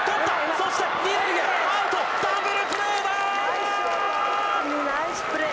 そして、２塁へ、アウト、ダブルナイスプレー。